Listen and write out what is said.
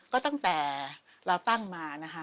ก็ตั้งแต่เราตั้งมานะคะ